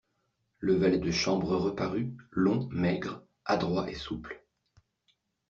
Le valet de chambre reparut, long, maigre, adroit et souple.